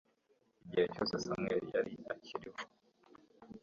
igihe cyose samweli yari akiriho